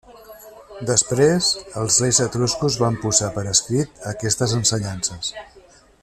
Després, els reis etruscos van posar per escrit aquestes ensenyances.